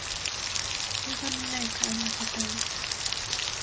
俺が見ないから負けたんだ